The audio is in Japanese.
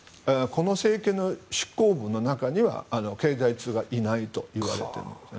この政権の執行部の中には経済通はいないといわれています。